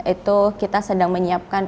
itu kita sedang menyiapkan